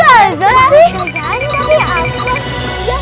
gak ada apa apa ya